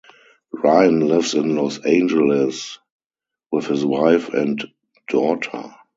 Ryan lives in Los Angeles with his wife and daughter.